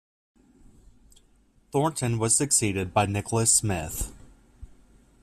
Thornton was succeeded by Nicholas Smith.